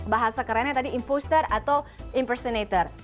bahasa kerennya tadi imposter atau impertinator